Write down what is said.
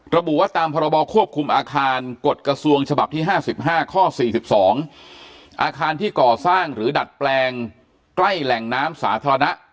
ระบุว่าตามพรบควบคุมอาคารกฎกระทรวงฉบับที่๕๕ข้อ๔๒อาคารที่ก่อสร้างหรือดัดแปลงใกล้แหล่งน้ำสาธารณะ